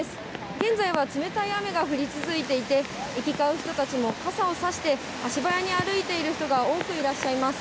現在は冷たい雨が降り続いていて、行き交う人たちも傘を差して足早に歩いている人が多くいらっしゃいます。